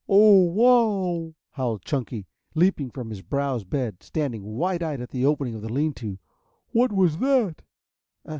"Oh, wow!" howled Chunky, leaping from his browse bed, standing wide eyed at the opening of the lean to. "What was that?"